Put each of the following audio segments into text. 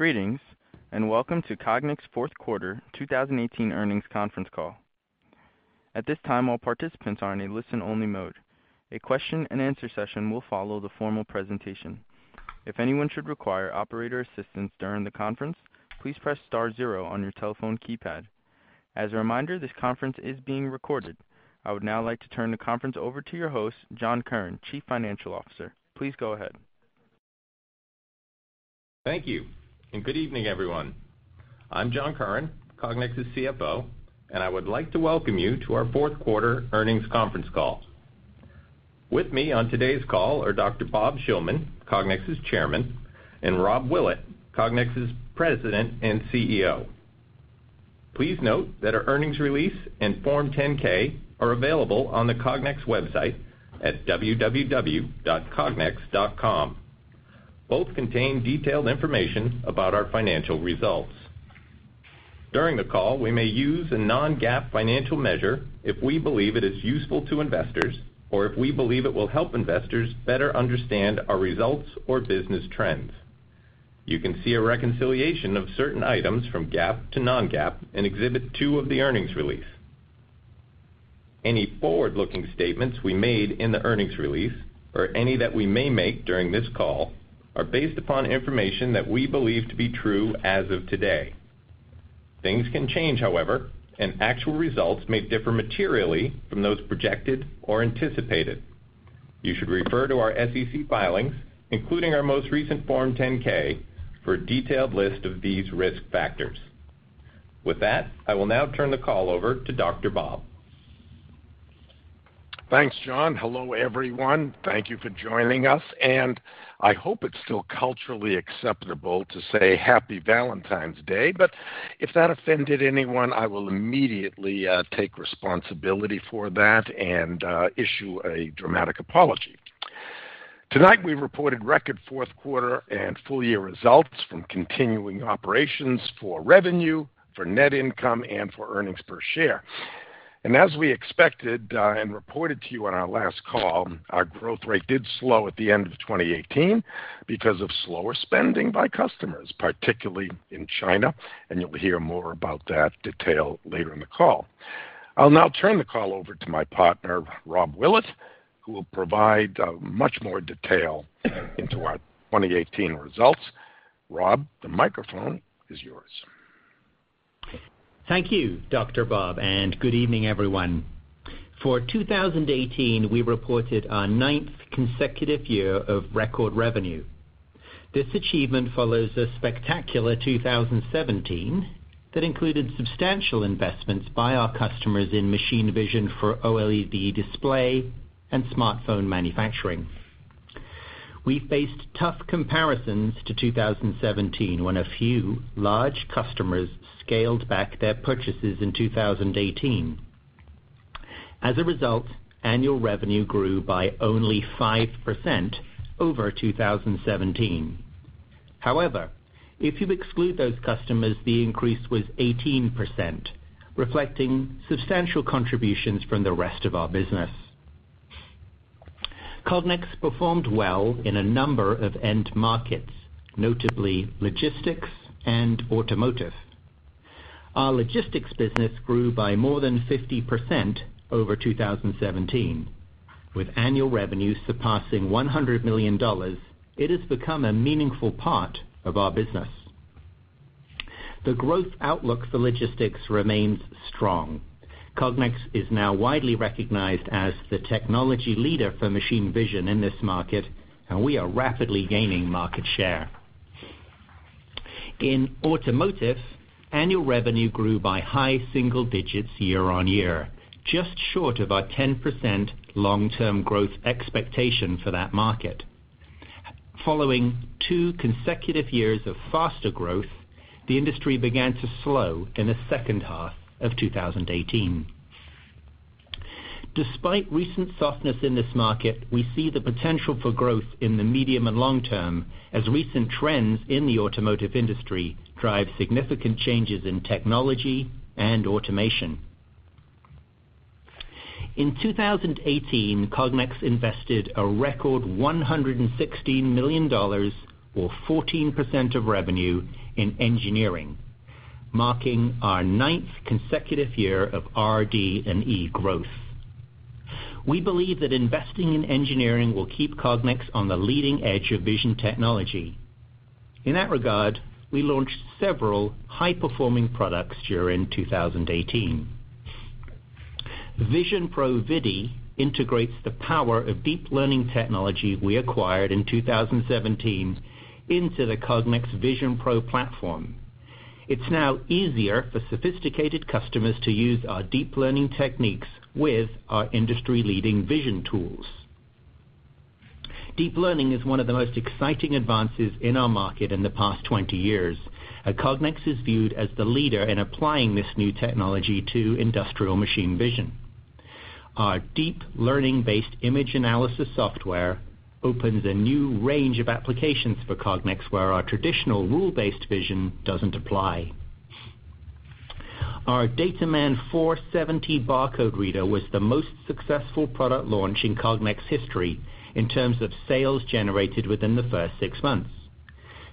Greetings. Welcome to Cognex fourth quarter 2018 earnings conference call. At this time, all participants are in a listen-only mode. A question-and-answer session will follow the formal presentation. If anyone should require operator assistance during the conference, please press star zero on your telephone keypad. As a reminder, this conference is being recorded. I would now like to turn the conference over to your host, John Curran, Chief Financial Officer. Please go ahead. Thank you. Good evening, everyone. I'm John Curran, Cognex's CFO, and I would like to welcome you to our fourth quarter earnings conference call. With me on today's call are Dr. Bob Shillman, Cognex's Chairman, and Rob Willett, Cognex's President and CEO. Please note that our earnings release and Form 10-K are available on the Cognex website at www.cognex.com. Both contain detailed information about our financial results. During the call, we may use a non-GAAP financial measure if we believe it is useful to investors or if we believe it will help investors better understand our results or business trends. You can see a reconciliation of certain items from GAAP to non-GAAP in exhibit two of the earnings release. Any forward-looking statements we made in the earnings release or any that we may make during this call are based upon information that we believe to be true as of today. Things can change, however. Actual results may differ materially from those projected or anticipated. You should refer to our SEC filings, including our most recent Form 10-K, for a detailed list of these risk factors. With that, I will now turn the call over to Dr. Bob. Thanks, John. Hello, everyone. Thank you for joining us. I hope it's still culturally acceptable to say Happy Valentine's Day. If that offended anyone, I will immediately take responsibility for that and issue a dramatic apology. Tonight, we reported record fourth quarter and full-year results from continuing operations for revenue, for net income, and for earnings per share. As we expected, and reported to you on our last call, our growth rate did slow at the end of 2018 because of slower spending by customers, particularly in China. You'll hear more about that detail later in the call. I'll now turn the call over to my partner, Rob Willett, who will provide much more detail into our 2018 results. Rob, the microphone is yours. Thank you, Dr. Bob, and good evening, everyone. For 2018, we reported our ninth consecutive year of record revenue. This achievement follows a spectacular 2017 that included substantial investments by our customers in machine vision for OLED display and smartphone manufacturing. We faced tough comparisons to 2017 when a few large customers scaled back their purchases in 2018. As a result, annual revenue grew by only 5% over 2017. However, if you exclude those customers, the increase was 18%, reflecting substantial contributions from the rest of our business. Cognex performed well in a number of end markets, notably logistics and automotive. Our logistics business grew by more than 50% over 2017. With annual revenue surpassing $100 million, it has become a meaningful part of our business. The growth outlook for logistics remains strong. Cognex is now widely recognized as the technology leader for machine vision in this market, and we are rapidly gaining market share. In automotive, annual revenue grew by high single digits year-on-year, just short of our 10% long-term growth expectation for that market. Following two consecutive years of faster growth, the industry began to slow in the second half of 2018. Despite recent softness in this market, we see the potential for growth in the medium and long term as recent trends in the automotive industry drive significant changes in technology and automation. In 2018, Cognex invested a record $116 million, or 14% of revenue, in engineering, marking our ninth consecutive year of RD&E growth. We believe that investing in engineering will keep Cognex on the leading edge of vision technology. In that regard, we launched several high-performing products during 2018. VisionPro ViDi integrates the power of deep learning technology we acquired in 2017 into the Cognex VisionPro platform. It's now easier for sophisticated customers to use our deep learning techniques with our industry-leading vision tools. Deep learning is one of the most exciting advances in our market in the past 20 years, and Cognex is viewed as the leader in applying this new technology to industrial machine vision. Our deep learning-based image analysis software opens a new range of applications for Cognex, where our traditional rule-based vision doesn't apply. Our DataMan 470 barcode reader was the most successful product launch in Cognex history in terms of sales generated within the first six months.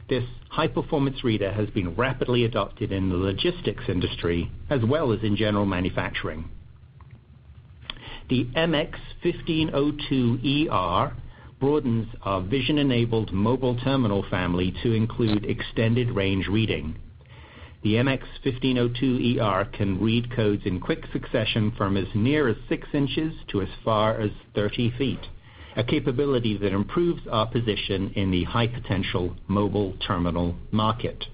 This high-performance reader has been rapidly adopted in the logistics industry, as well as in general manufacturing. The MX-1502-ER broadens our vision-enabled mobile terminal family to include extended range reading. The MX-1502-ER can read codes in quick succession from as near as 6 in to as far as 30 ft, a capability that improves our position in the high-potential mobile terminal market.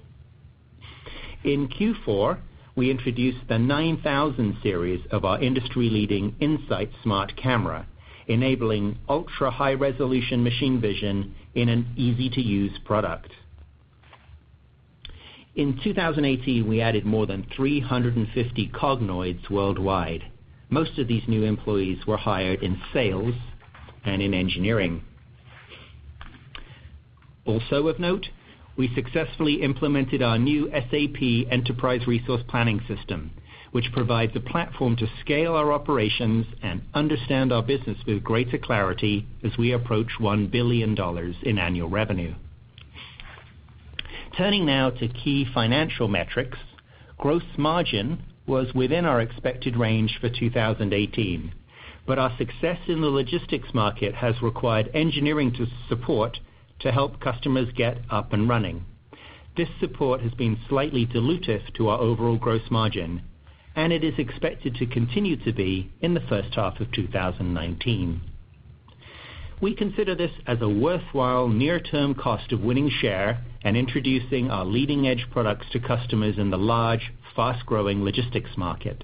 In Q4, we introduced the 9000 series of our industry-leading In-Sight Smart Camera, enabling ultra-high-resolution machine vision in an easy-to-use product. In 2018, we added more than 350 Cognoids worldwide. Most of these new employees were hired in sales and in engineering. Also of note, we successfully implemented our new SAP enterprise resource planning system, which provides a platform to scale our operations and understand our business with greater clarity as we approach $1 billion in annual revenue. Turning now to key financial metrics, gross margin was within our expected range for 2018, but our success in the logistics market has required engineering support to help customers get up and running. This support has been slightly dilutive to our overall gross margin. It is expected to continue to be in the first half of 2019. We consider this as a worthwhile near-term cost of winning share and introducing our leading-edge products to customers in the large, fast-growing logistics market.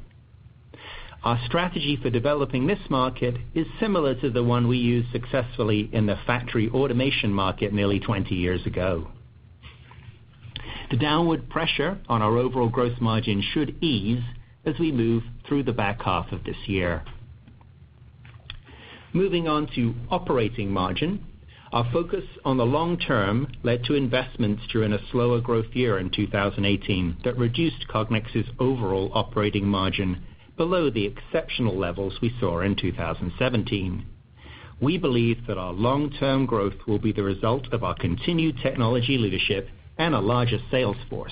Our strategy for developing this market is similar to the one we used successfully in the factory automation market nearly 20 years ago. The downward pressure on our overall growth margin should ease as we move through the back half of this year. Moving on to operating margin. Our focus on the long term led to investments during a slower growth year in 2018 that reduced Cognex's overall operating margin below the exceptional levels we saw in 2017. We believe that our long-term growth will be the result of our continued technology leadership and a larger sales force.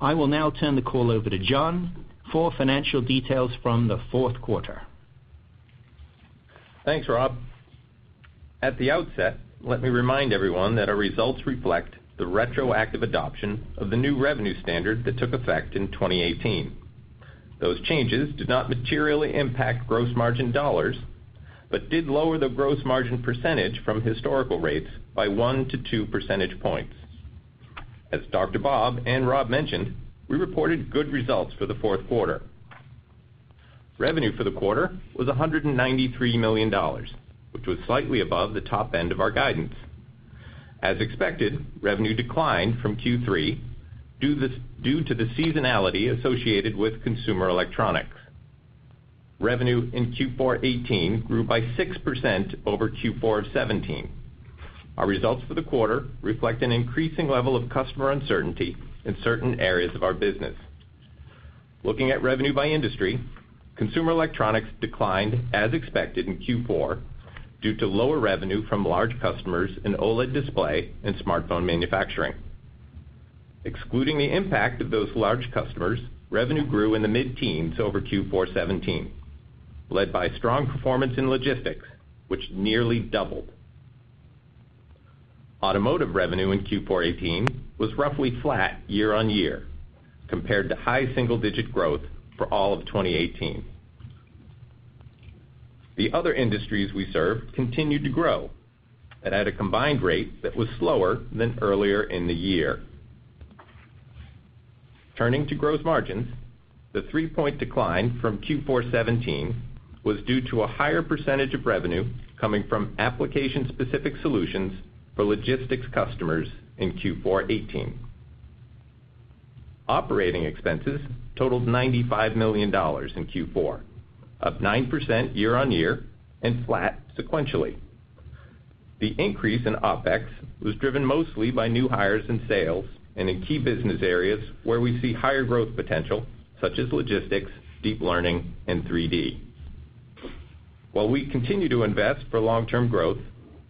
I will now turn the call over to John for financial details from the fourth quarter. Thanks, Rob. At the outset, let me remind everyone that our results reflect the retroactive adoption of the new revenue standard that took effect in 2018. Those changes did not materially impact gross margin dollars, but did lower the gross margin percentage from historical rates by 1 percentage points-2 percentage points. As Dr. Bob and Rob mentioned, we reported good results for the fourth quarter. Revenue for the quarter was $193 million, which was slightly above the top end of our guidance. As expected, revenue declined from Q3 due to the seasonality associated with consumer electronics. Revenue in Q4 2018 grew by 6% over Q4 of 2017. Our results for the quarter reflect an increasing level of customer uncertainty in certain areas of our business. Looking at revenue by industry, consumer electronics declined as expected in Q4 due to lower revenue from large customers in OLED display and smartphone manufacturing. Excluding the impact of those large customers, revenue grew in the mid-teens over Q4 2017, led by strong performance in logistics, which nearly doubled. Automotive revenue in Q4 2018 was roughly flat year-on-year, compared to high single-digit growth for all of 2018. The other industries we serve continued to grow, but at a combined rate that was slower than earlier in the year. Turning to gross margins, the three-point decline from Q4 2017 was due to a higher percentage of revenue coming from application-specific solutions for logistics customers in Q4 2018. Operating expenses totaled $95 million in Q4, up 9% year-on-year and flat sequentially. The increase in OpEx was driven mostly by new hires in sales and in key business areas where we see higher growth potential, such as logistics, deep learning, and 3D. While we continue to invest for long-term growth,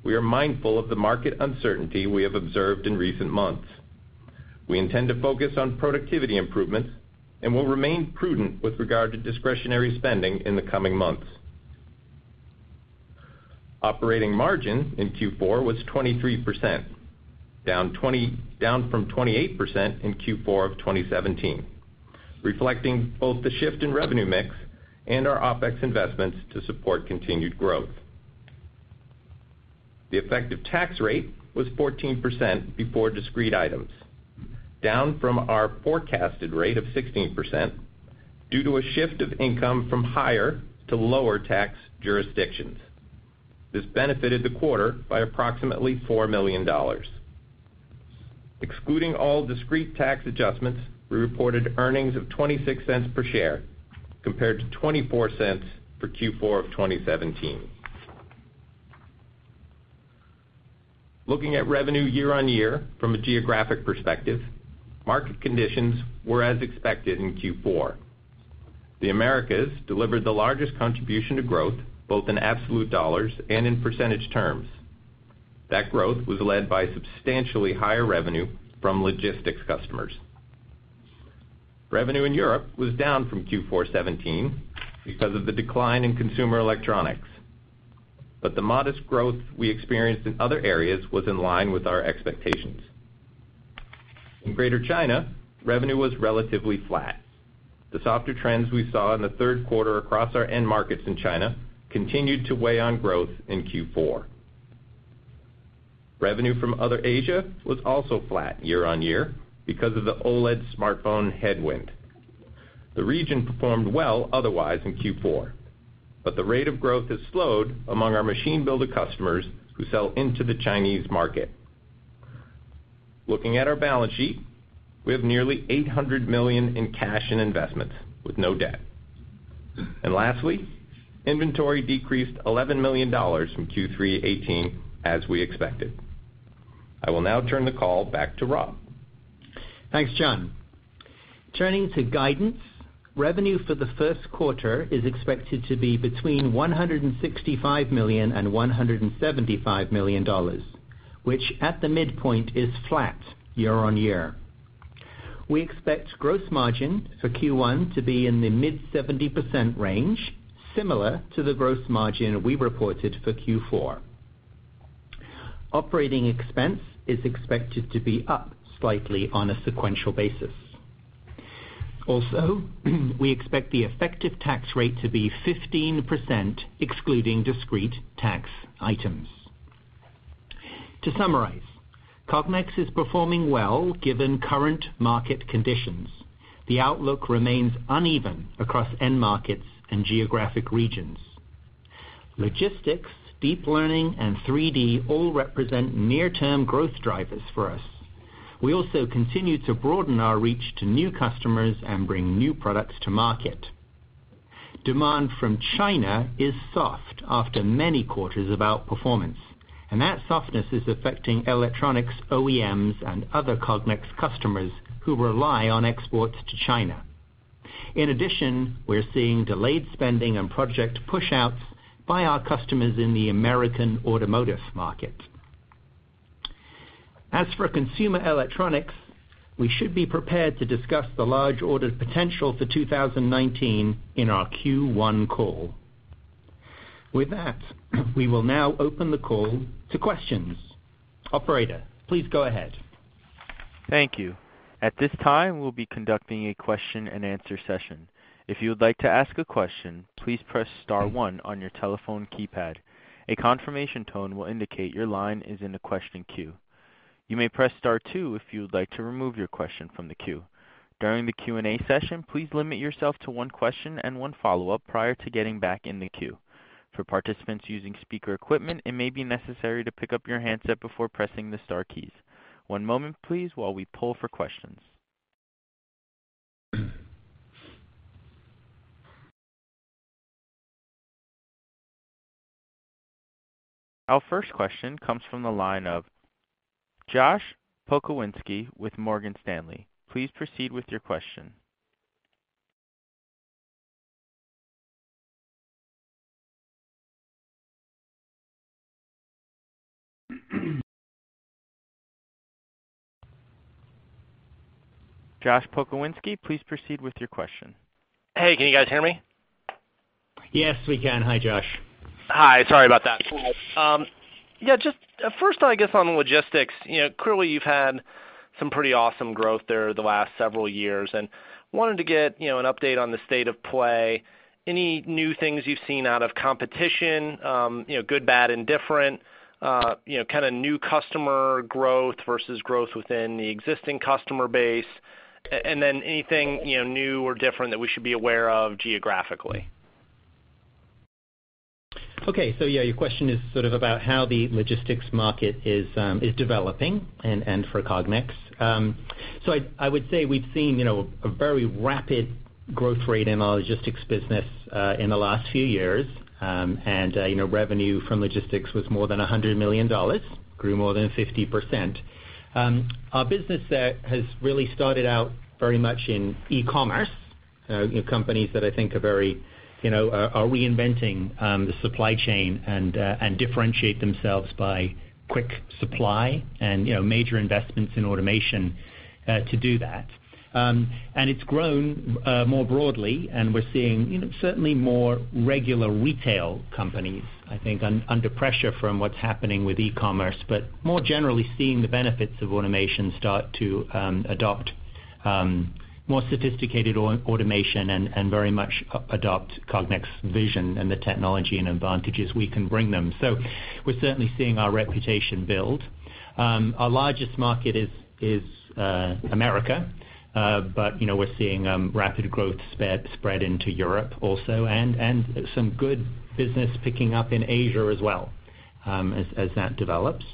we are mindful of the market uncertainty we have observed in recent months. We intend to focus on productivity improvements and will remain prudent with regard to discretionary spending in the coming months. Operating margin in Q4 was 23%, down from 28% in Q4 of 2017, reflecting both the shift in revenue mix and our OpEx investments to support continued growth. The effective tax rate was 14% before discrete items, down from our forecasted rate of 16% due to a shift of income from higher to lower tax jurisdictions. This benefited the quarter by approximately $4 million. Excluding all discrete tax adjustments, we reported earnings of $0.26 per share, compared to $0.24 for Q4 of 2017. Looking at revenue year-on-year from a geographic perspective, market conditions were as expected in Q4. The Americas delivered the largest contribution to growth, both in absolute dollars and in percentage terms. That growth was led by substantially higher revenue from logistics customers. Revenue in Europe was down from Q4 2017 because of the decline in consumer electronics. The modest growth we experienced in other areas was in line with our expectations. In Greater China, revenue was relatively flat. The softer trends we saw in the third quarter across our end markets in China continued to weigh on growth in Q4. Revenue from other Asia was also flat year-on-year because of the OLED smartphone headwind. The region performed well otherwise in Q4, but the rate of growth has slowed among our machine builder customers who sell into the Chinese market. Looking at our balance sheet, we have nearly $800 million in cash and investments with no debt. Lastly, inventory decreased $11 million from Q3 2018 as we expected. I will now turn the call back to Rob. Thanks, John. Turning to guidance, revenue for the first quarter is expected to be between $165 million-$175 million, which at the midpoint is flat year-on-year. We expect gross margin for Q1 to be in the mid-70% range, similar to the gross margin we reported for Q4. Operating expense is expected to be up slightly on a sequential basis. Also, we expect the effective tax rate to be 15%, excluding discrete tax items. To summarize, Cognex is performing well given current market conditions. The outlook remains uneven across end markets and geographic regions. Logistics, deep learning, and 3D all represent near-term growth drivers for us. We also continue to broaden our reach to new customers and bring new products to market. Demand from China is soft after many quarters of outperformance, and that softness is affecting electronics OEMs and other Cognex customers who rely on exports to China. In addition, we're seeing delayed spending and project pushouts by our customers in the American automotive market. As for consumer electronics, we should be prepared to discuss the large ordered potential for 2019 in our Q1 call. With that, we will now open the call to questions. Operator, please go ahead. Thank you. At this time, we'll be conducting a question and answer session. If you would like to ask a question, please press star one on your telephone keypad. A confirmation tone will indicate your line is in the question queue. You may press star two if you would like to remove your question from the queue. During the Q&A session, please limit yourself to one question and one follow-up prior to getting back in the queue. For participants using speaker equipment, it may be necessary to pick up your handset before pressing the star keys. One moment, please, while we pull for questions. Our first question comes from the line of Josh Pokrzywinski with Morgan Stanley. Please proceed with your question. Josh Pokrzywinski, please proceed with your question. Hey, can you guys hear me? Yes, we can. Hi, Josh. Hi. Sorry about that. First I guess on the logistics. Clearly, you've had some pretty awesome growth there the last several years, wanted to get an update on the state of play. Any new things you've seen out of competition, good, bad, indifferent, kind of new customer growth versus growth within the existing customer base? Anything new or different that we should be aware of geographically? Okay. Your question is sort of about how the logistics market is developing and for Cognex. I would say we've seen a very rapid growth rate in our logistics business in the last few years. Revenue from logistics was more than $100 million, grew more than 50%. Our business there has really started out very much in e-commerce. Companies that I think are reinventing the supply chain and differentiate themselves by quick supply and major investments in automation to do that. It's grown more broadly, we're seeing certainly more regular retail companies, I think, under pressure from what's happening with e-commerce, but more generally seeing the benefits of automation start to adopt more sophisticated automation and very much adopt Cognex vision and the technology and advantages we can bring them. We're certainly seeing our reputation build. Our largest market is America, but we're seeing rapid growth spread into Europe also and some good business picking up in Asia as well as that develops.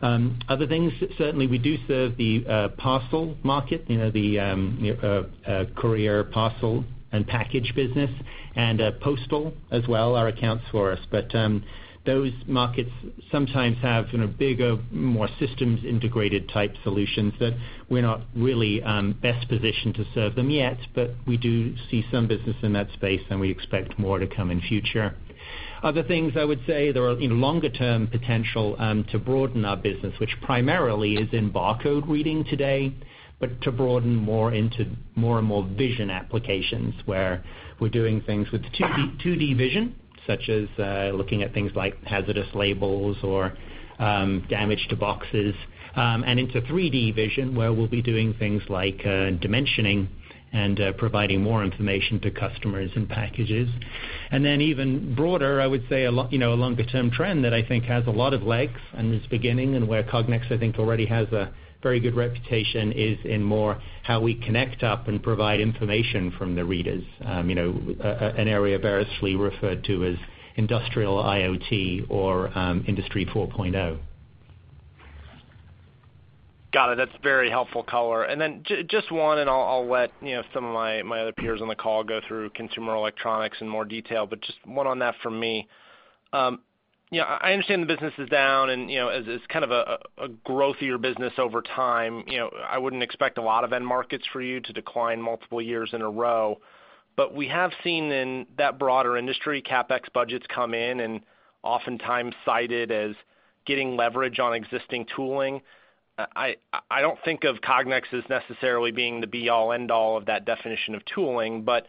Other things, certainly, we do serve the parcel market, the courier parcel and package business, and postal as well, are accounts for us. Those markets sometimes have bigger, more systems integrated type solutions that we're not really best positioned to serve them yet, but we do see some business in that space, and we expect more to come in future. Other things, I would say, there are longer-term potential to broaden our business, which primarily is in barcode reading today, but to broaden more into more and more vision applications, where we're doing things with 2D vision, such as looking at things like hazardous labels or damage to boxes, and into 3D vision, where we'll be doing things like dimensioning and providing more information to customers and packages. Even broader, I would say a longer-term trend that I think has a lot of legs and is beginning and where Cognex, I think, already has a very good reputation, is in more how we connect up and provide information from the readers. An area variously referred to as industrial IoT or Industry 4.0. Got it. That's very helpful color. Just one, and I'll let some of my other peers on the call go through consumer electronics in more detail, but just one on that from me. I understand the business is down and as it's kind of a growthier business over time, I wouldn't expect a lot of end markets for you to decline multiple years in a row. We have seen in that broader industry, CapEx budgets come in and oftentimes cited as getting leverage on existing tooling. I don't think of Cognex as necessarily being the be all, end all of that definition of tooling, but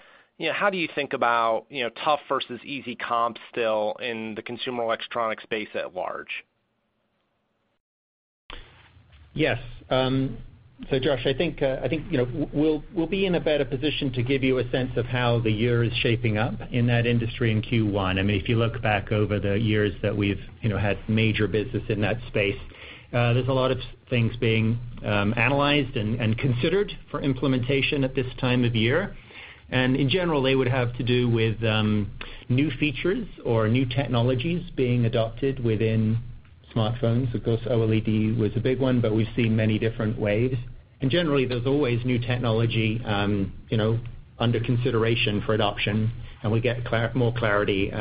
how do you think about tough versus easy comps still in the consumer electronic space at large? Yes. Josh, I think, we'll be in a better position to give you a sense of how the year is shaping up in that industry in Q1. If you look back over the years that we've had major business in that space, there's a lot of things being analyzed and considered for implementation at this time of year. In general, they would have to do with new features or new technologies being adopted within smartphones. Of course, OLED was a big one, but we've seen many different waves. Generally, there's always new technology under consideration for adoption, and we get more clarity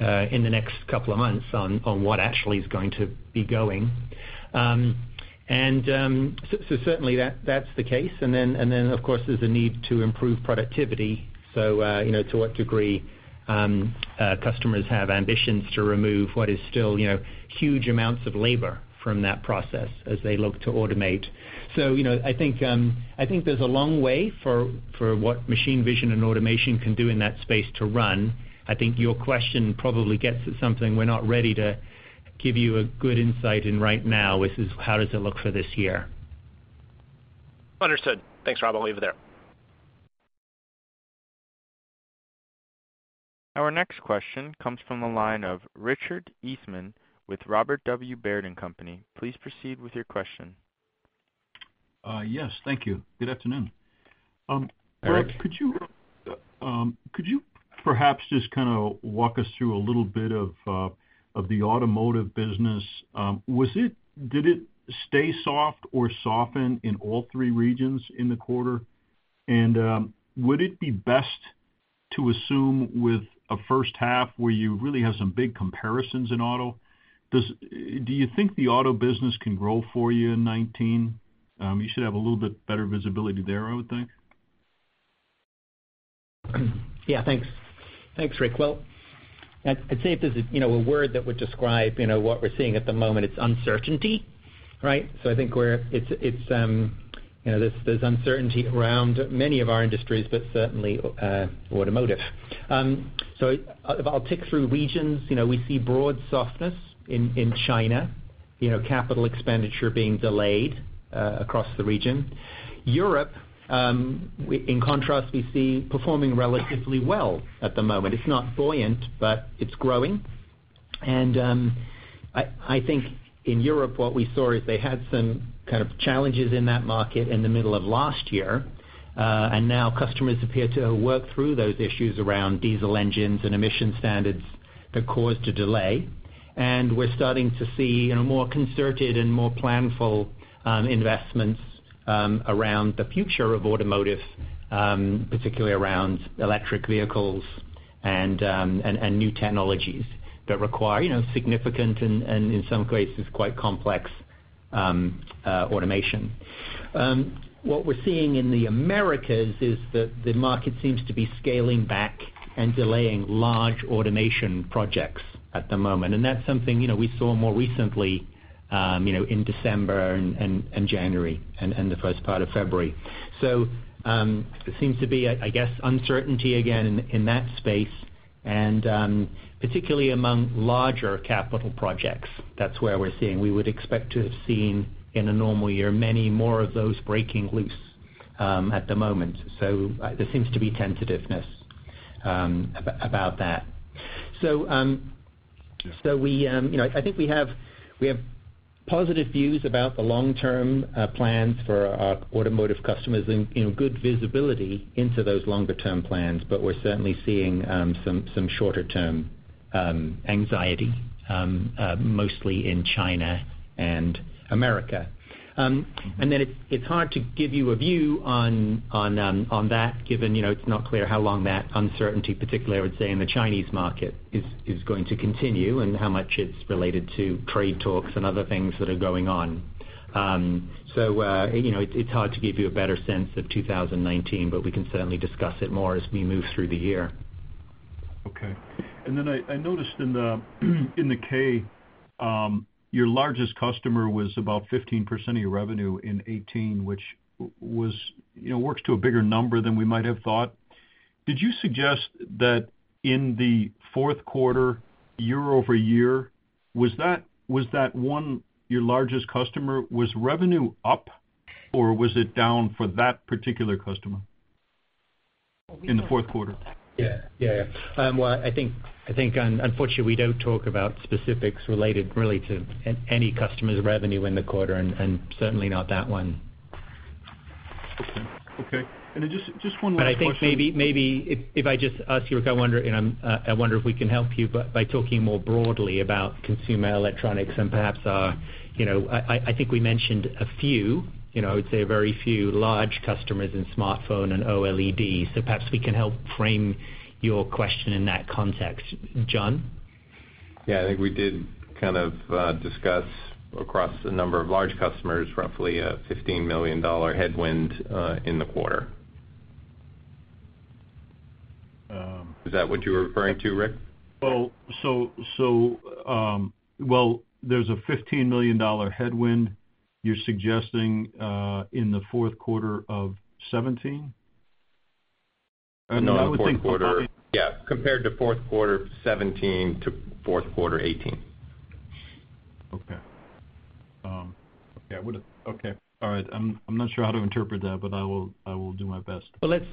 in the next couple of months on what actually is going to be going. Certainly that's the case. Of course, there's a need to improve productivity. To what degree customers have ambitions to remove what is still huge amounts of labor from that process as they look to automate. I think there's a long way for what machine vision and automation can do in that space to run. I think your question probably gets at something we're not ready to give you a good insight in right now, which is how does it look for this year? Understood. Thanks, Rob. I'll leave it there. Our next question comes from the line of Richard Eastman with Robert W. Baird & Co. Please proceed with your question. Yes. Thank you. Good afternoon. Rob, could you perhaps just kind of walk us through a little bit of the automotive business? Did it stay soft or soften in all three regions in the quarter? Would it be best to assume with a first half where you really have some big comparisons in auto, do you think the auto business can grow for you in 2019? You should have a little bit better visibility there, I would think. Thanks, Rick. I'd say if there's a word that would describe what we're seeing at the moment, it's uncertainty. Right? I think there's uncertainty around many of our industries, but certainly automotive. I'll tick through regions. We see broad softness in China, capital expenditure being delayed across the region. Europe, in contrast, we see performing relatively well at the moment. It's not buoyant, but it's growing. I think in Europe, what we saw is they had some kind of challenges in that market in the middle of last year. Now customers appear to have worked through those issues around diesel engines and emission standards that caused a delay. We're starting to see more concerted and more planful investments around the future of automotive, particularly around electric vehicles and new technologies that require significant and in some cases, quite complex automation. What we're seeing in the Americas is that the market seems to be scaling back and delaying large automation projects at the moment. That's something we saw more recently in December and January and the first part of February. It seems to be, I guess, uncertainty again in that space and particularly among larger capital projects. That's where we're seeing. We would expect to have seen in a normal year many more of those breaking loose at the moment. There seems to be tentativeness about that. I think we have positive views about the long-term plans for our automotive customers and good visibility into those longer-term plans. We're certainly seeing some shorter-term anxiety, mostly in China and America. It's hard to give you a view on that, given it's not clear how long that uncertainty, particularly, I would say, in the Chinese market, is going to continue and how much it's related to trade talks and other things that are going on. It's hard to give you a better sense of 2019, but we can certainly discuss it more as we move through the year. Okay. I noticed in the K, your largest customer was about 15% of your revenue in 2018, which works to a bigger number than we might have thought. Did you suggest that in the fourth quarter, year-over-year, was that one your largest customer? Was revenue up or was it down for that particular customer in the fourth quarter? Well, I think unfortunately, we don't talk about specifics related really to any customer's revenue in the quarter, and certainly not that one. Okay. Just one last question. I think maybe if I just ask you, I wonder if we can help you by talking more broadly about consumer electronics and perhaps, I think we mentioned a few, I would say very few large customers in smartphone and OLED, so perhaps we can help frame your question in that context. John? Yeah. I think we did kind of discuss across a number of large customers, roughly a $15 million headwind in the quarter. Is that what you were referring to, Rick? There's a $15 million headwind, you're suggesting, in the fourth quarter of 2017? Yeah, compared to fourth quarter 2017 to fourth quarter 2018. Okay. All right. I'm not sure how to interpret that, but I will do my best. Let's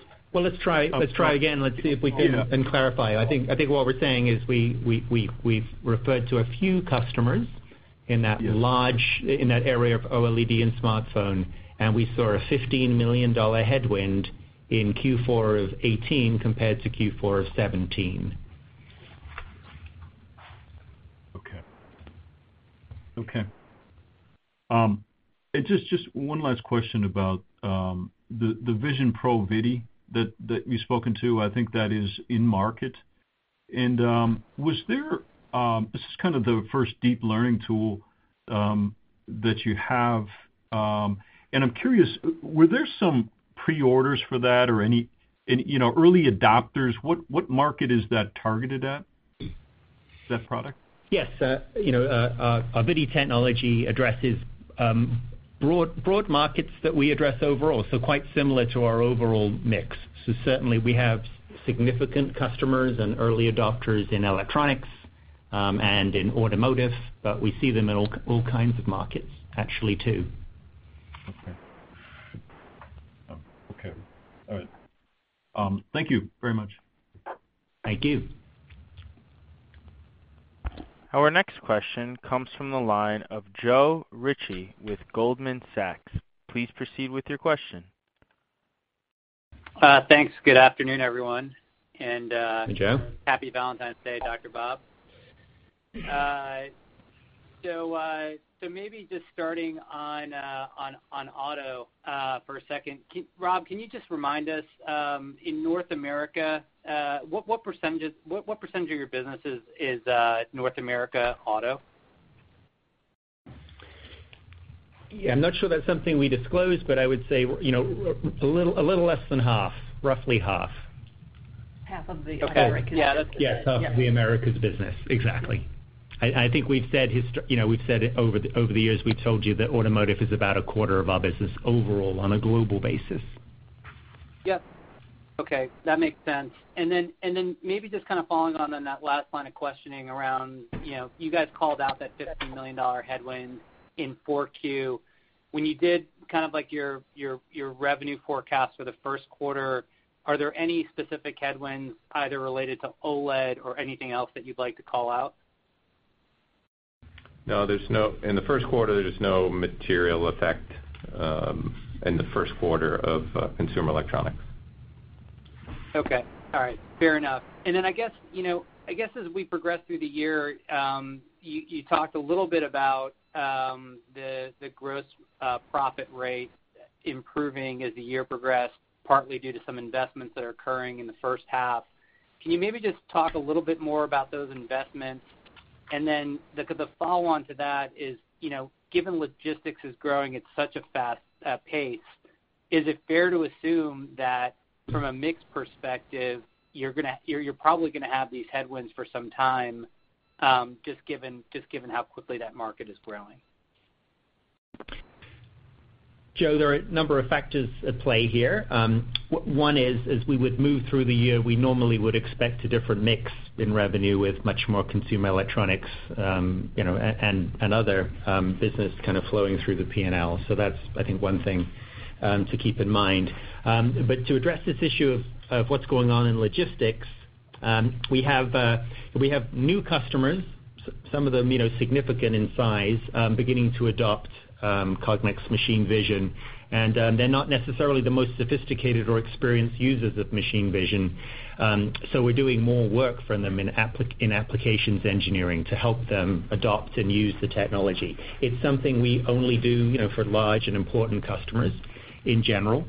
try again. Let's see if we can clarify. I think what we're saying is we've referred to a few customers in that area of OLED and smartphone, and we saw a $15 million headwind in Q4 of 2018 compared to Q4 of 2017. Okay. Just one last question about the VisionPro ViDi that you've spoken to. I think that is in market. This is kind of the first deep learning tool that you have. I'm curious, were there some pre-orders for that or any early adopters? What market is that targeted at, that product? Yes. ViDi technology addresses broad markets that we address overall, quite similar to our overall mix. Certainly we have significant customers and early adopters in electronics, and in automotive, but we see them in all kinds of markets actually, too. Okay. All right. Thank you very much. Thank you. Our next question comes from the line of Joe Ritchie with Goldman Sachs. Please proceed with your question. Thanks. Good afternoon, everyone. Hey, Joe. Happy Valentine's Day, Dr. Bob. Maybe just starting on auto for a second. Rob, can you just remind us, in North America, what percentage of your business is North America auto? Yeah, I'm not sure that's something we disclose, but I would say, a little less than half, roughly half. Half of the Americas. Yes, of the Americas business. Exactly. I think we've said over the years, we've told you that automotive is about a quarter of our business overall on a global basis. Yep. Okay. That makes sense. Maybe just kind of following on then that last line of questioning around, you guys called out that $15 million headwind in 4Q. When you did kind of like your revenue forecast for the first quarter, are there any specific headwinds either related to OLED or anything else that you'd like to call out? In the first quarter, there's no material effect in the first quarter of consumer electronics. Okay. All right. Fair enough. I guess as we progress through the year, you talked a little bit about the gross profit rate improving as the year progressed, partly due to some investments that are occurring in the first half. Can you maybe just talk a little bit more about those investments? The follow-on to that is, given logistics is growing at such a fast pace, is it fair to assume that from a mix perspective, you're probably going to have these headwinds for some time, just given how quickly that market is growing? Joe, there are a number of factors at play here. One is, as we would move through the year, we normally would expect a different mix in revenue with much more consumer electronics, and other business kind of flowing through the P&L. That's, I think, one thing to keep in mind. To address this issue of what's going on in logistics, we have new customers, some of them significant in size, beginning to adopt Cognex machine vision, and they're not necessarily the most sophisticated or experienced users of machine vision. We're doing more work for them in applications engineering to help them adopt and use the technology. It's something we only do for large and important customers in general.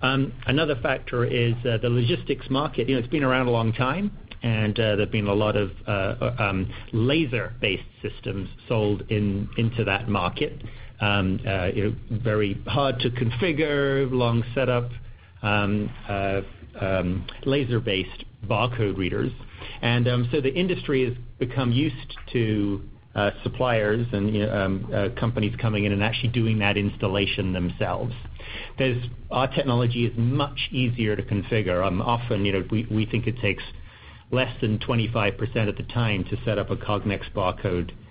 Another factor is the logistics market. It's been around a long time, and there's been a lot of laser-based systems sold into that market. Very hard to configure, long setup, laser-based barcode readers. The industry has become used to suppliers and companies coming in and actually doing that installation themselves. Our technology is much easier to configure. Often, we think it takes less than 25% of the time to set up a Cognex barcode reading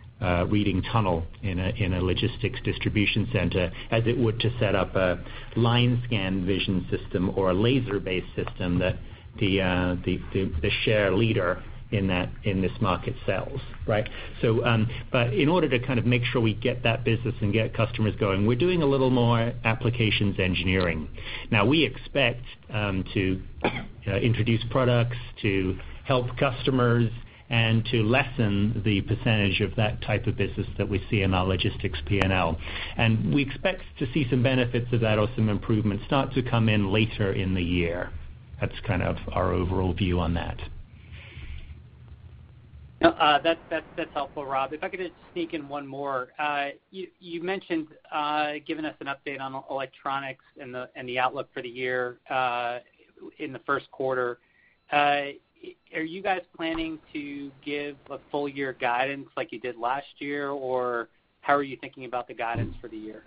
tunnel in a logistics distribution center as it would to set up a line scan vision system or a laser-based system that the share leader in this market sells. Right? In order to kind of make sure we get that business and get customers going, we're doing a little more applications engineering. Now, we expect to introduce products to help customers and to lessen the percentage of that type of business that we see in our logistics P&L. We expect to see some benefits of that or some improvements start to come in later in the year. That's kind of our overall view on that. That's helpful, Rob. If I could just sneak in one more. You mentioned giving us an update on electronics and the outlook for the year in the first quarter. Are you guys planning to give a full year guidance like you did last year, or how are you thinking about the guidance for the year?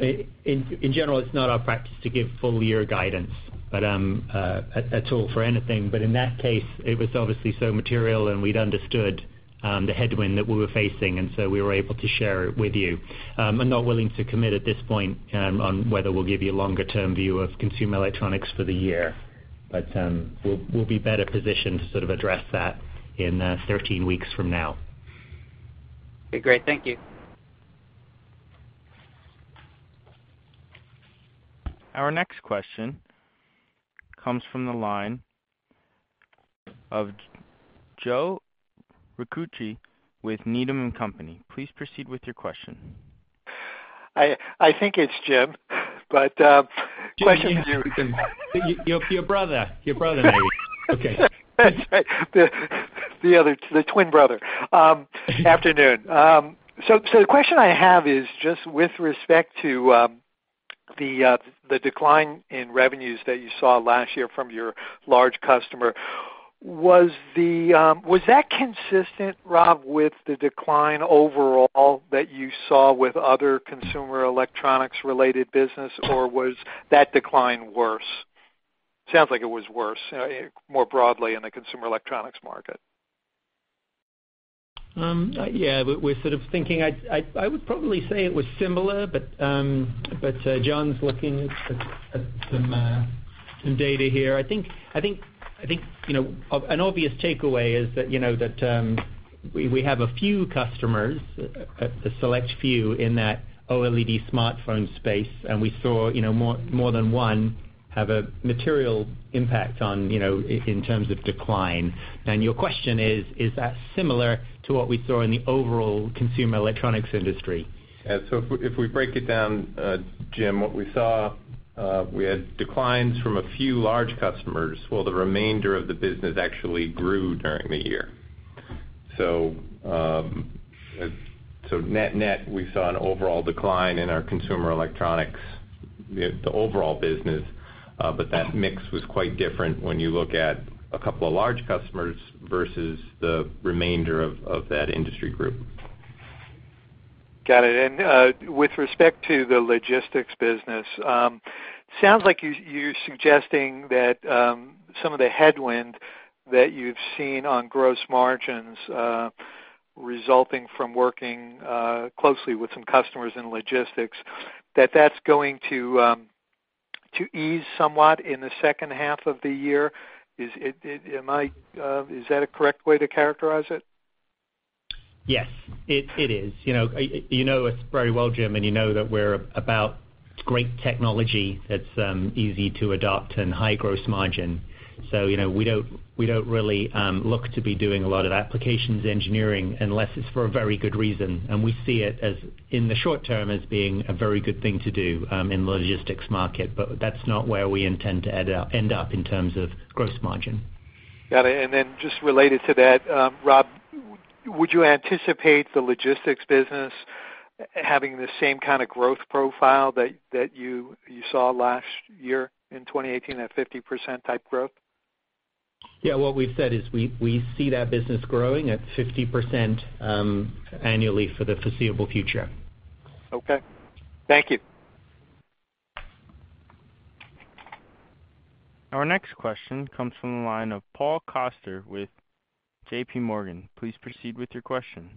In general, it's not our practice to give full year guidance at all for anything. In that case, it was obviously so material and we'd understood the headwind that we were facing, and so we were able to share it with you. I'm not willing to commit at this point on whether we'll give you a longer-term view of consumer electronics for the year. We'll be better positioned to sort of address that in 13 weeks from now. Okay, great. Thank you. Our next question comes from the line of Jim Ricchiuti with Needham & Company. Please proceed with your question. I think it's Jim. Your brother, maybe. Okay. That's right. The other, the twin brother. Afternoon. The question I have is just with respect to the decline in revenues that you saw last year from your large customer. Was that consistent, Rob, with the decline overall that you saw with other consumer electronics related business, or was that decline worse? Sounds like it was worse, more broadly in the consumer electronics market. Yeah. We're sort of thinking. I would probably say it was similar, but John's looking at some data here. I think an obvious takeaway is that we have a few customers, a select few in that OLED smartphone space, and we saw more than one have a material impact in terms of decline. Your question is that similar to what we saw in the overall consumer electronics industry? If we break it down, Jim, what we saw, we had declines from a few large customers, while the remainder of the business actually grew during the year. Net net, we saw an overall decline in our consumer electronics, the overall business. That mix was quite different when you look at a couple of large customers versus the remainder of that industry group. Got it. With respect to the logistics business, sounds like you're suggesting that some of the headwind that you've seen on gross margins, resulting from working closely with some customers in logistics, that that's going to ease somewhat in the second half of the year. Is that a correct way to characterize it? Yes, it is. You know us very well, Jim, and you know that we're about great technology that's easy to adopt and high gross margin. We don't really look to be doing a lot of applications engineering unless it's for a very good reason, and we see it, in the short term, as being a very good thing to do in the logistics market. That's not where we intend to end up in terms of gross margin. Got it, just related to that, Rob, would you anticipate the logistics business having the same kind of growth profile that you saw last year in 2018, that 50% type growth? Yeah, what we've said is we see that business growing at 50% annually for the foreseeable future. Okay. Thank you. Our next question comes from the line of Paul Coster with JPMorgan. Please proceed with your question.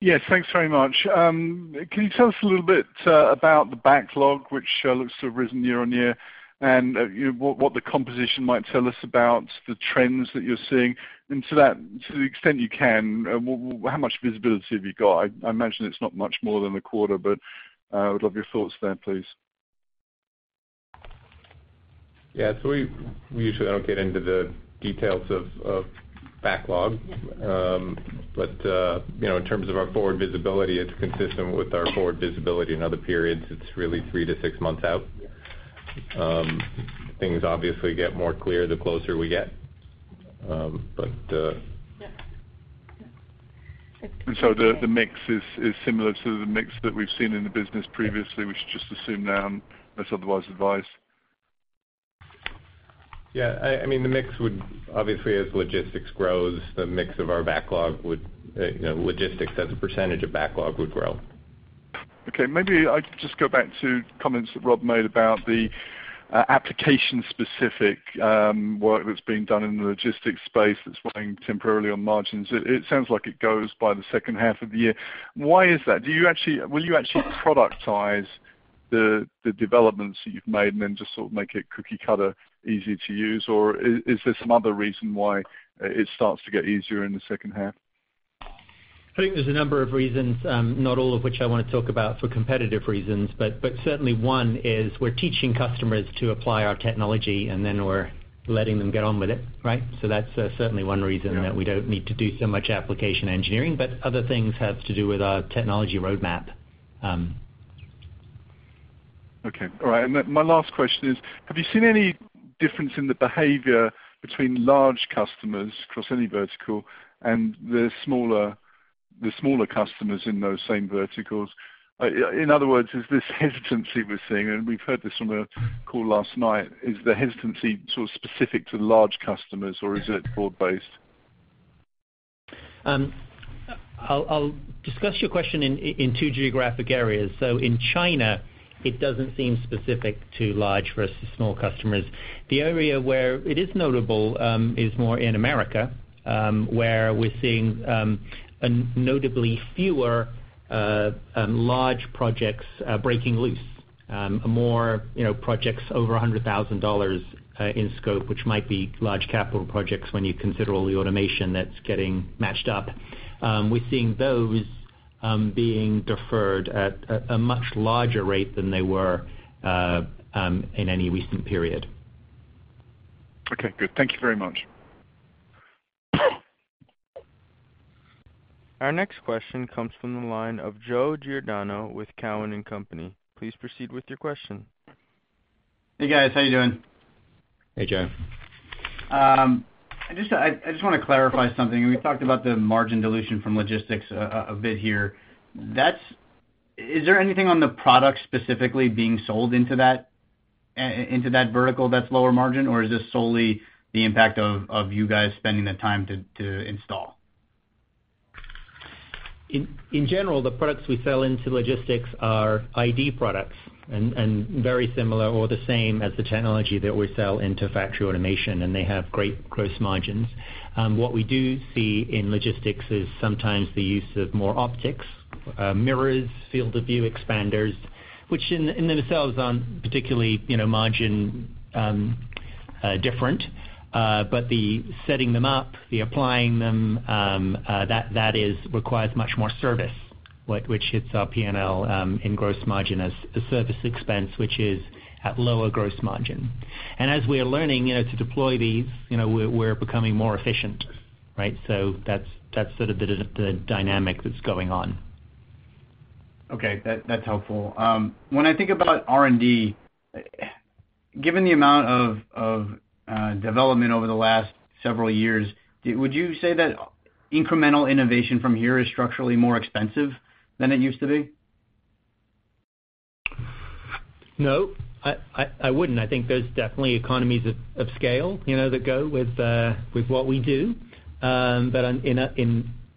Yes. Thanks very much. Can you tell us a little bit about the backlog, which looks to have risen year-on-year, and what the composition might tell us about the trends that you're seeing? To the extent you can, how much visibility have you got? I imagine it's not much more than a quarter, but I would love your thoughts there, please. Yeah. We usually don't get into the details of backlog. In terms of our forward visibility, it's consistent with our forward visibility in other periods. It's really three to six months out. Things obviously get more clear the closer we get. The mix is similar to the mix that we've seen in the business previously, we should just assume now, unless otherwise advised. Yeah. The mix would, obviously, as logistics grows, logistics as a percentage of backlog would grow. Okay. Maybe I'd just go back to comments that Rob made about the application-specific work that's being done in the logistics space that's weighing temporarily on margins. It sounds like it goes by the second half of the year. Why is that? Will you actually productize the developments that you've made and then just sort of make it cookie cutter easy to use, or is there some other reason why it starts to get easier in the second half? I think there's a number of reasons, not all of which I want to talk about for competitive reasons, but certainly one is we're teaching customers to apply our technology and then we're letting them get on with it. Right? That's certainly one reason that we don't need to do so much application engineering, but other things have to do with our technology roadmap. Okay. All right. My last question is, have you seen any difference in the behavior between large customers across any vertical and the smaller customers in those same verticals? In other words, is this hesitancy we're seeing, and we've heard this on the call last night, is the hesitancy sort of specific to large customers, or is it broad based? I'll discuss your question in two geographic areas. In China, it doesn't seem specific to large versus small customers. The area where it is notable is more in America, where we're seeing notably fewer large projects breaking loose. More projects over $100,000 in scope, which might be large capital projects when you consider all the automation that's getting matched up. We're seeing those being deferred at a much larger rate than they were in any recent period. Okay, good. Thank you very much. Our next question comes from the line of Joe Giordano with Cowen and Company. Please proceed with your question. Hey, guys. How you doing? Hey, Joe. I just want to clarify something. We talked about the margin dilution from logistics a bit here. Is there anything on the product specifically being sold into that vertical that's lower margin, or is this solely the impact of you guys spending the time to install? In general, the products we sell into logistics are ID products, and very similar or the same as the technology that we sell into factory automation, and they have great gross margins. What we do see in logistics is sometimes the use of more optics, mirrors, field of view expanders, which in themselves aren't particularly margin different. The setting them up, the applying them, that requires much more service, which hits our P&L in gross margin as a service expense, which is at lower gross margin. As we are learning to deploy these, we're becoming more efficient. Right? That's sort of the dynamic that's going on. Okay. That's helpful. When I think about RD&E, given the amount of development over the last several years, would you say that incremental innovation from here is structurally more expensive than it used to be? No, I wouldn't. I think there's definitely economies of scale that go with what we do.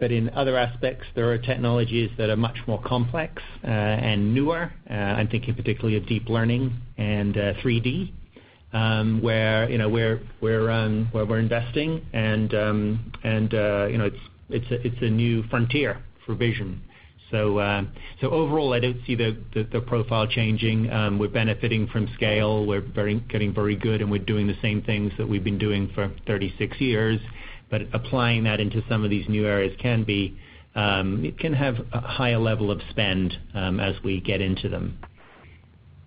In other aspects, there are technologies that are much more complex and newer. I'm thinking particularly of deep learning and 3D, where we're investing and it's a new frontier for Vision. Overall, I don't see the profile changing. We're benefiting from scale. We're getting very good, and we're doing the same things that we've been doing for 36 years, but applying that into some of these new areas can have a higher level of spend as we get into them.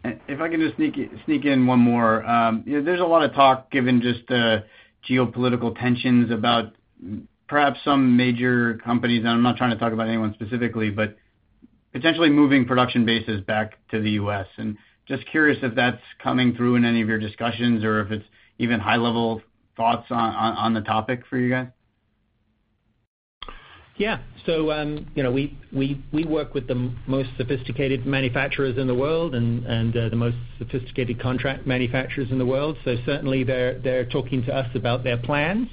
If I can just sneak in one more. There's a lot of talk given just the geopolitical tensions about perhaps some major companies, and I'm not trying to talk about anyone specifically, but potentially moving production bases back to the U.S., and just curious if that's coming through in any of your discussions or if it's even high level thoughts on the topic for you guys. Yeah. We work with the most sophisticated manufacturers in the world and the most sophisticated contract manufacturers in the world. Certainly they're talking to us about their plans.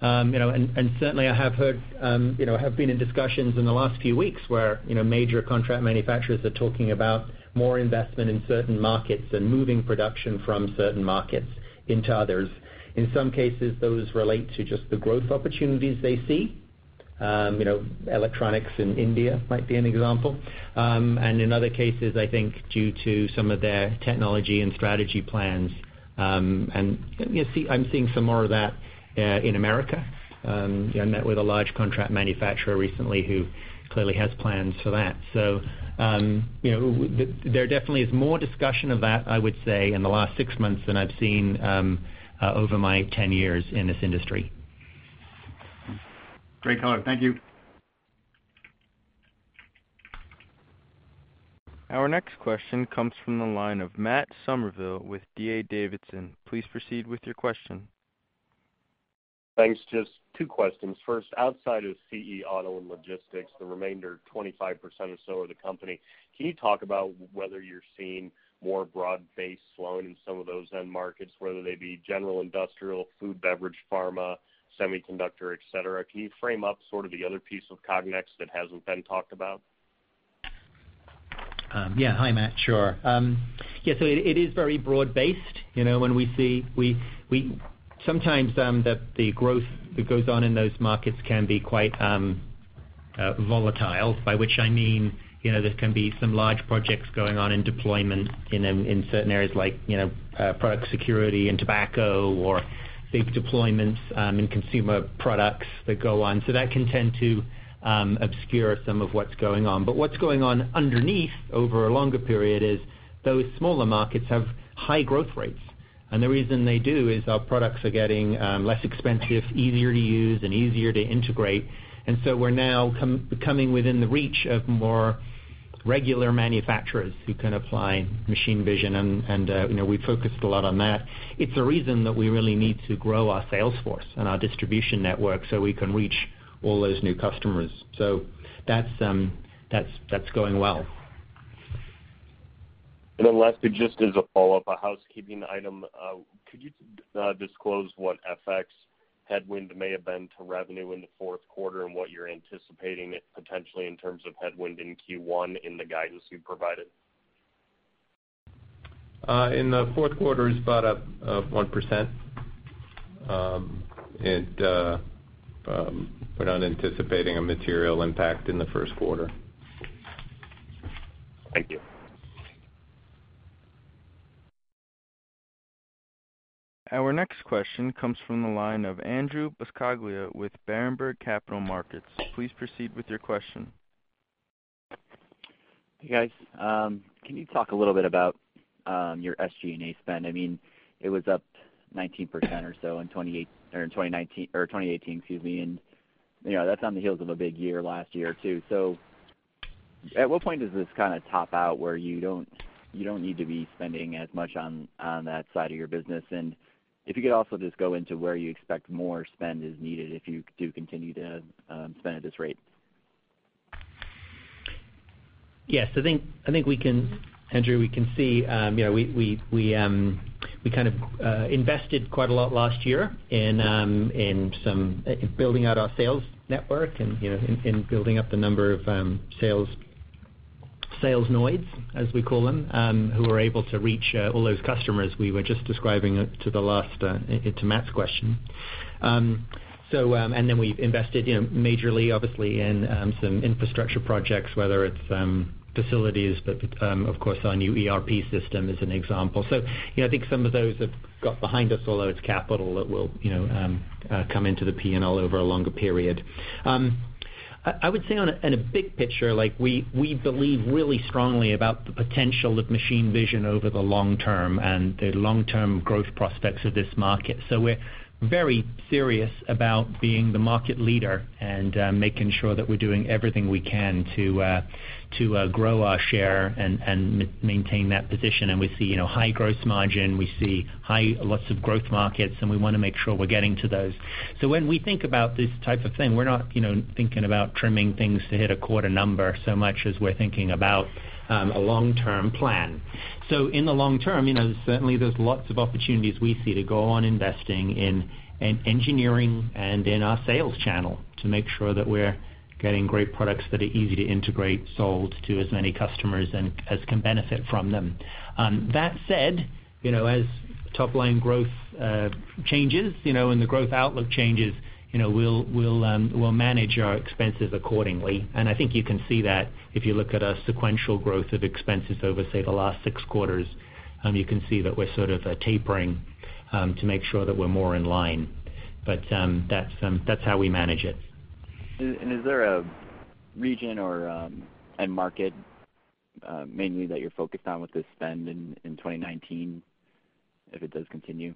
Certainly I have been in discussions in the last few weeks where major contract manufacturers are talking about more investment in certain markets and moving production from certain markets into others. In some cases, those relate to just the growth opportunities they see. Electronics in India might be an example. In other cases, I think due to some of their technology and strategy plans, I'm seeing some more of that in America. I met with a large contract manufacturer recently who clearly has plans for that. There definitely is more discussion of that, I would say, in the last six months than I've seen over my 10 years in this industry. Great color. Thank you. Our next question comes from the line of Matt Summerville with D.A. Davidson. Please proceed with your question. Thanks. Just two questions. First, outside of CE auto and logistics, the remainder 25% or so of the company, can you talk about whether you're seeing more broad-based slowing in some of those end markets, whether they be general industrial, food, beverage, pharma, semiconductor, et cetera? Can you frame up sort of the other piece of Cognex that hasn't been talked about? Hi, Matt. Sure. It is very broad-based. When we see sometimes, the growth that goes on in those markets can be quite volatile. By which I mean, there can be some large projects going on in deployment in certain areas like, product security and tobacco or big deployments in consumer products that go on. That can tend to obscure some of what's going on. What's going on underneath, over a longer period, is those smaller markets have high growth rates. The reason they do is our products are getting less expensive, easier to use and easier to integrate. We're now coming within the reach of more regular manufacturers who can apply machine vision and we focused a lot on that. It's a reason that we really need to grow our sales force and our distribution network so we can reach all those new customers. That's going well. Lastly, just as a follow-up, a housekeeping item. Could you disclose what FX headwind may have been to revenue in the fourth quarter and what you're anticipating it potentially in terms of headwind in Q1 in the guidance you provided? In the fourth quarter, it's about up 1%. We're not anticipating a material impact in the first quarter. Thank you. Our next question comes from the line of Andrew Buscaglia with Berenberg Capital Markets. Please proceed with your question. Hey, guys. Can you talk a little bit about your SG&A spend? It was up 19% or so in 2018. That's on the heels of a big year last year, too. At what point does this kind of top out, where you don't need to be spending as much on that side of your business? If you could also just go into where you expect more spend is needed if you do continue to spend at this rate. Yes, I think, Andrew, we can see we kind of invested quite a lot last year in building out our sales network and in building up the number of salesnoids, as we call them, who are able to reach all those customers we were just describing to Matt's question. We've invested majorly, obviously, in some infrastructure projects, whether it's facilities, but of course our new ERP system is an example. I think some of those have got behind us, although it's capital that will come into the P&L over a longer period. I would say in a big picture, we believe really strongly about the potential of machine vision over the long term and the long-term growth prospects of this market. We're very serious about being the market leader and making sure that we're doing everything we can to grow our share and maintain that position. We see high gross margin, we see lots of growth markets, and we want to make sure we're getting to those. When we think about this type of thing, we're not thinking about trimming things to hit a quarter number, so much as we're thinking about a long-term plan. In the long term, certainly there's lots of opportunities we see to go on investing in engineering and in our sales channel to make sure that we're getting great products that are easy to integrate, sold to as many customers as can benefit from them. That said, as top-line growth changes, and the growth outlook changes, we'll manage our expenses accordingly. I think you can see that if you look at our sequential growth of expenses over, say, the last six quarters. You can see that we're sort of tapering to make sure that we're more in line. That's how we manage it. Is there a region or end market, mainly that you're focused on with this spend in 2019, if it does continue?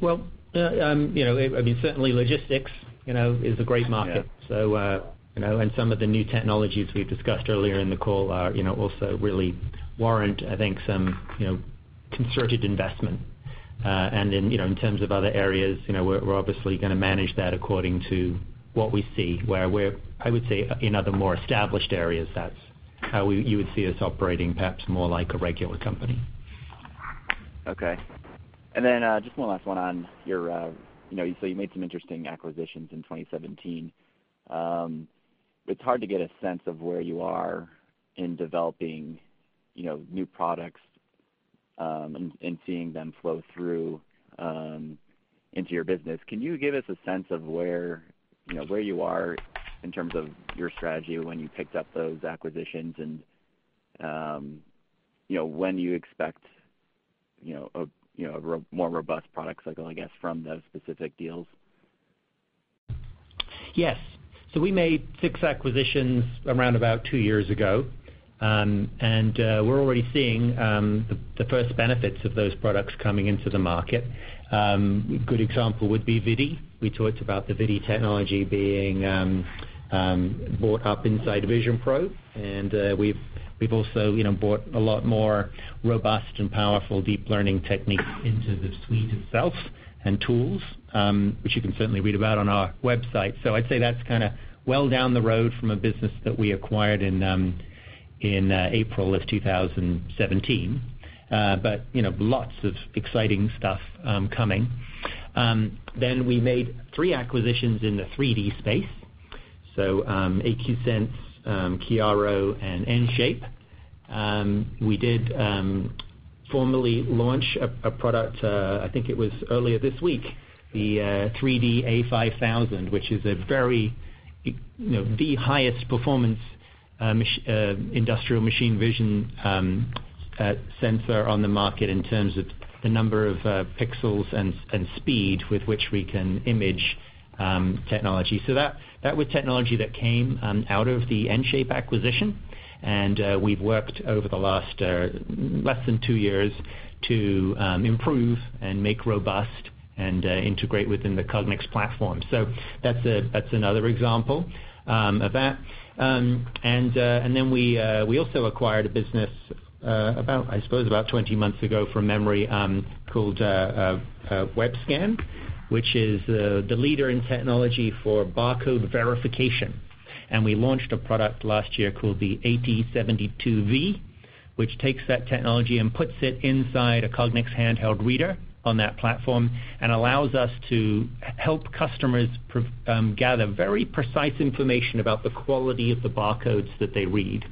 Well, certainly logistics is a great market. Yeah. Some of the new technologies we've discussed earlier in the call also really warrant some concerted investment. In terms of other areas, we're obviously going to manage that according to what we see, where I would say in other, more established areas, that's how you would see us operating, perhaps more like a regular company. Okay. Just one last one. You made some interesting acquisitions in 2017. It's hard to get a sense of where you are in developing new products and seeing them flow through into your business. Can you give us a sense of where you are in terms of your strategy when you picked up those acquisitions and when you expect a more robust product cycle, I guess, from those specific deals? Yes. We made six acquisitions around about two years ago, and we're already seeing the first benefits of those products coming into the market. Good example would be ViDi. We talked about the ViDi technology being brought up inside VisionPro, and we've also brought a lot more robust and powerful deep learning techniques into the suite itself and tools, which you can certainly read about on our website. I'd say that's kind of well down the road from a business that we acquired in April of 2017. Lots of exciting stuff coming. We made three acquisitions in the 3D space, AQSense, Chiaro and EnShape. We did formally launch a product, I think it was earlier this week, the 3D-A5000, which is the highest performance industrial machine vision sensor on the market in terms of the number of pixels and speed with which we can image technology. That was technology that came out of the EnShape acquisition, and we've worked over the last less than two years to improve and make robust and integrate within the Cognex platform. That's another example of that. We also acquired a business about, I suppose, about 20 months ago, from memory, called Webscan, which is the leader in technology for barcode verification. We launched a product last year called the 8072V, which takes that technology and puts it inside a Cognex handheld reader on that platform and allows us to help customers gather very precise information about the quality of the barcodes that they read.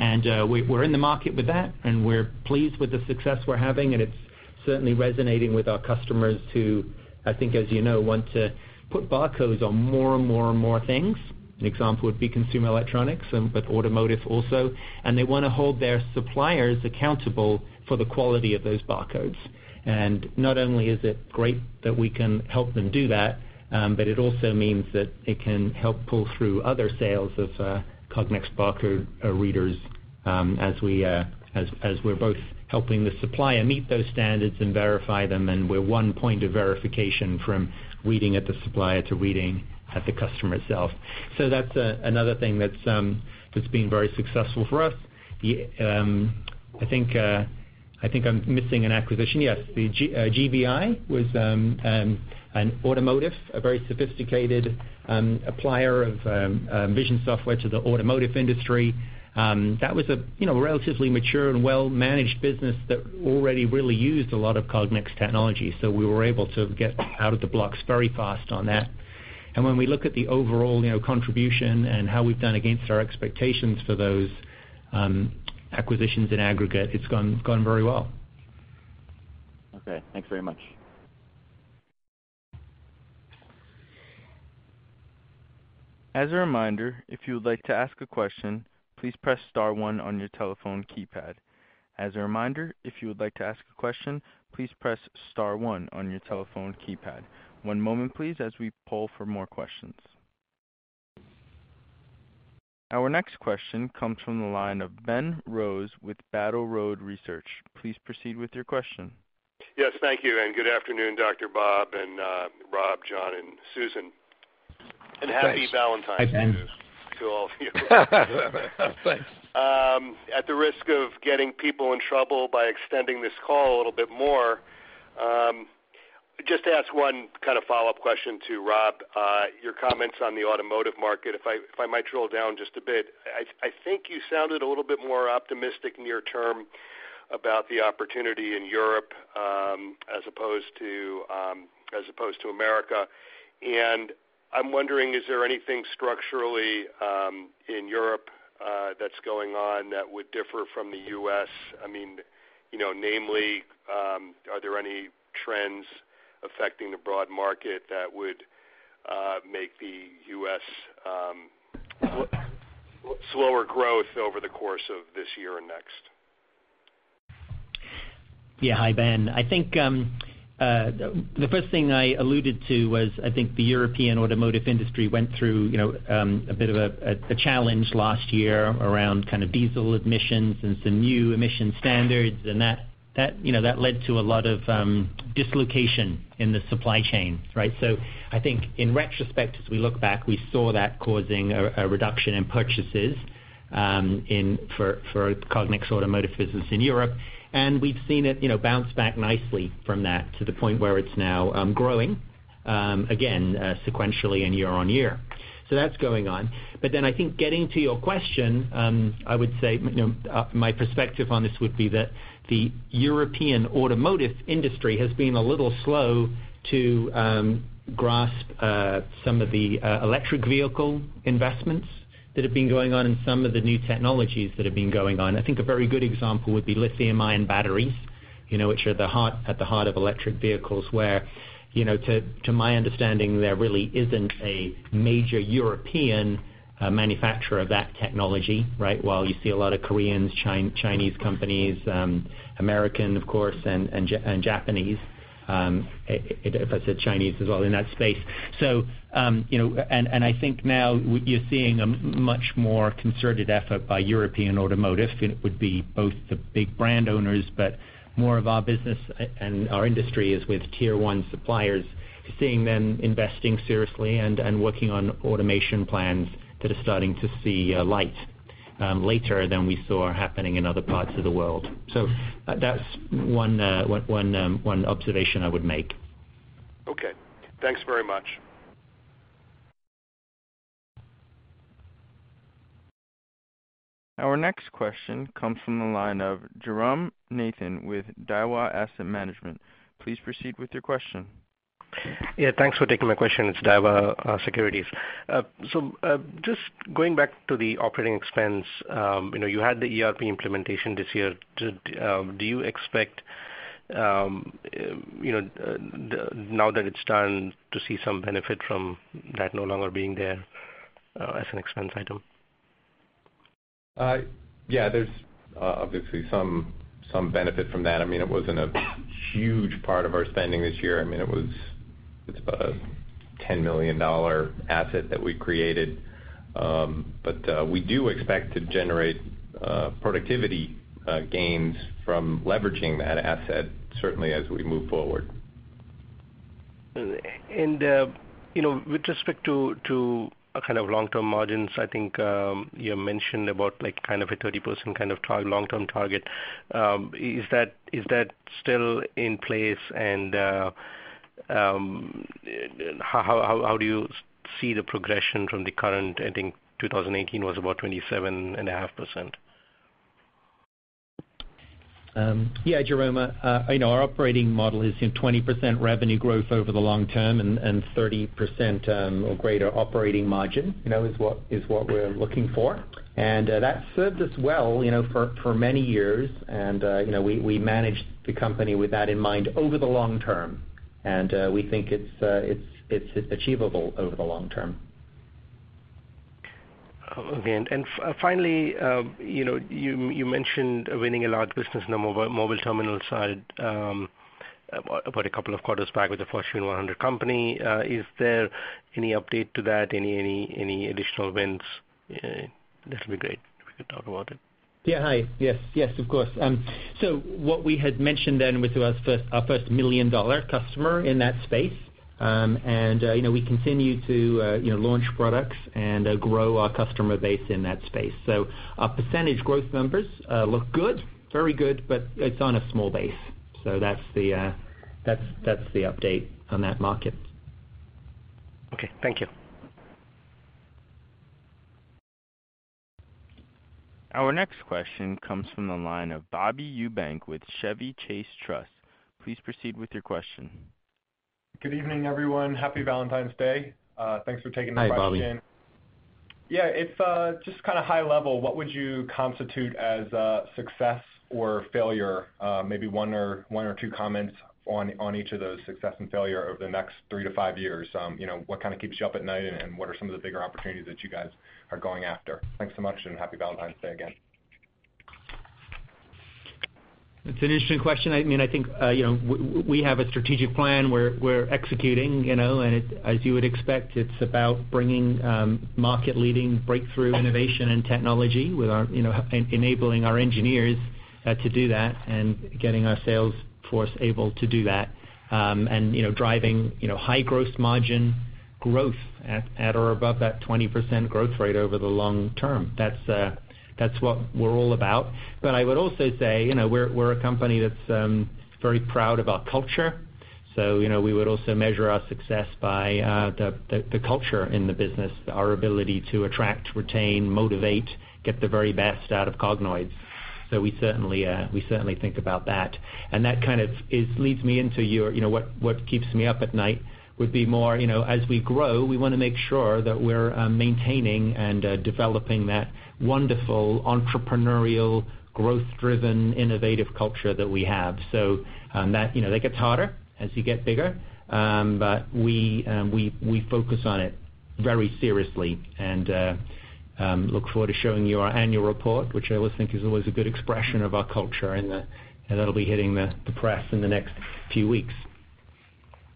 We're in the market with that, and we're pleased with the success we're having, and it's certainly resonating with our customers who, I think, as you know, want to put barcodes on more and more things. An example would be consumer electronics, but automotive also, and they want to hold their suppliers accountable for the quality of those barcodes. Not only is it great that we can help them do that, but it also means that it can help pull through other sales of Cognex barcode readers, as we're both helping the supplier meet those standards and verify them, and we're one point of verification from reading at the supplier to reading at the customer itself. That's another thing that's been very successful for us. I think I'm missing an acquisition. Yes. [GBI] was an automotive, a very sophisticated applier of vision software to the automotive industry. That was a relatively mature and well-managed business that already really used a lot of Cognex technology, so we were able to get out of the blocks very fast on that. When we look at the overall contribution and how we've done against our expectations for those acquisitions in aggregate, it's gone very well. Okay. Thanks very much. As a reminder, if you would like to ask a question, please press star one on your telephone keypad. As a reminder, if you would like to ask a question, please press star one on your telephone keypad. One moment, please, as we poll for more questions. Our next question comes from the line of Ben Rose with Battle Road Research. Please proceed with your question. Yes, thank you. Good afternoon, Dr. Bob, and Rob, John, and Susan. Happy Valentine's to all of you. Thanks. At the risk of getting people in trouble by extending this call a little bit more, just to ask one kind of follow-up question to Rob, your comments on the automotive market, if I might drill down just a bit. I think you sounded a little bit more optimistic near term about the opportunity in Europe, as opposed to America. I'm wondering, is there anything structurally in Europe that's going on that would differ from the U.S.? Namely, are there any trends affecting the broad market that would make the U.S. slower growth over the course of this year and next? Hi, Ben. I think the first thing I alluded to was, I think the European automotive industry went through a bit of a challenge last year around diesel emissions and some new emission standards, that led to a lot of dislocation in the supply chain, right? I think in retrospect, as we look back, we saw that causing a reduction in purchases for Cognex automotive business in Europe, and we've seen it bounce back nicely from that to the point where it's now growing again, sequentially and year-on-year. That's going on. I think getting to your question, I would say my perspective on this would be that the European automotive industry has been a little slow to grasp some of the electric vehicle investments that have been going on and some of the new technologies that have been going on. I think a very good example would be lithium-ion batteries, which are at the heart of electric vehicles, where, to my understanding, there really isn't a major European manufacturer of that technology while you see a lot of Koreans, Chinese companies, American, of course, and Japanese. If I said Chinese as well in that space. I think now you're seeing a much more concerted effort by European automotive, and it would be both the big brand owners, but more of our business and our industry is with tier one suppliers, seeing them investing seriously and working on automation plans that are starting to see light later than we saw happening in other parts of the world. That's one observation I would make. Okay. Thanks very much. Our next question comes from the line of Jairam Nathan with Daiwa Asset Management. Please proceed with your question. Yeah, thanks for taking my question. It's Daiwa Securities. Just going back to the operating expense. You had the ERP implementation this year. Do you expect, now that it's done, to see some benefit from that no longer being there, as an expense item? Yeah, there's obviously some benefit from that. It wasn't a huge part of our spending this year. It's about a $10 million asset that we created. We do expect to generate productivity gains from leveraging that asset certainly as we move forward. With respect to a kind of long-term margins, I think, you mentioned about like kind of a 30% kind of long-term target. Is that still in place? How do you see the progression from the current, I think, 2018 was about 27.5%? Jairam, our operating model is in 20% revenue growth over the long term and 30% or greater operating margin is what we're looking for. That served us well for many years. We managed the company with that in mind over the long term. We think it's achievable over the long term. Okay. Finally, you mentioned winning a large business on the mobile terminal side, about a couple of quarters back with a Fortune 100 company. Is there any update to that? Any additional wins? That'd be great if we could talk about it. Yeah. Hi. Yes, of course. What we had mentioned then was our first million-dollar customer in that space. We continue to launch products and grow our customer base in that space. Our percentage growth numbers look good, very good, but it's on a small base. That's the update on that market. Okay. Thank you. Our next question comes from the line of Bobby Eubank with Chevy Chase Trust. Please proceed with your question. Good evening, everyone. Happy Valentine's Day. Thanks for taking my question. Hi, Bobby. Yeah. If just kind of high level, what would you constitute as a success or failure? Maybe one or two comments on each of those success and failure over the next three to five years. What kind of keeps you up at night, and what are some of the bigger opportunities that you guys are going after? Thanks so much, and Happy Valentine's Day again. It's an interesting question. I think we have a strategic plan where we're executing, as you would expect, it's about bringing market-leading breakthrough innovation and technology with enabling our engineers to do that and getting our sales force able to do that. Driving high gross margin growth at or above that 20% growth rate over the long term. That's what we're all about. I would also say, we're a company that's very proud of our culture. We would also measure our success by the culture in the business, our ability to attract, retain, motivate, get the very best out of Cognoids. We certainly think about that. That kind of leads me into what keeps me up at night would be more, as we grow, we want to make sure that we're maintaining and developing that wonderful entrepreneurial growth-driven, innovative culture that we have. That gets harder as you get bigger. We focus on it very seriously and look forward to showing you our annual report, which I always think is always a good expression of our culture, and that'll be hitting the press in the next few weeks.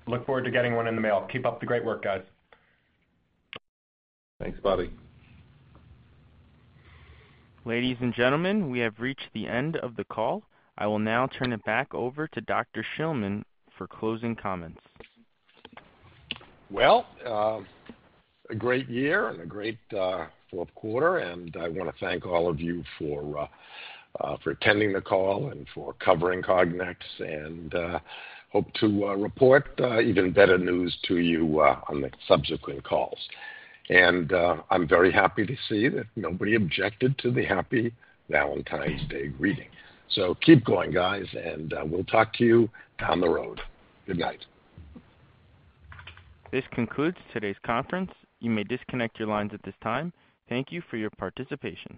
Look forward to getting one in the mail. Keep up the great work, guys. Thanks, Bobby. Ladies and gentlemen, we have reached the end of the call. I will now turn it back over to Dr. Shillman for closing comments. Well, a great year and a great fourth quarter. I want to thank all of you for attending the call and for covering Cognex. I hope to report even better news to you on the subsequent calls. I'm very happy to see that nobody objected to the Happy Valentine's Day greeting. Keep going, guys, and we'll talk to you down the road. Good night. This concludes today's conference. You may disconnect your lines at this time. Thank you for your participation.